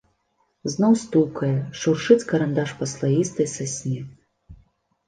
Зноў стукае, шуршыць карандаш па слаістай сасне.